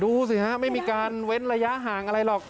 ดูสิฮะไม่มีการเว้นระยะห่างอะไรหรอก